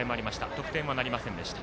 得点はなりませんでした。